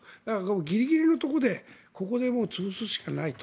ギリギリのところでここで潰すしかないと。